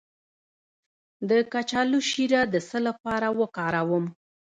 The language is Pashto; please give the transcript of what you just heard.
د کچالو شیره د څه لپاره وکاروم؟